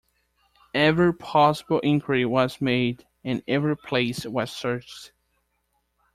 Every possible inquiry was made, and every place was searched.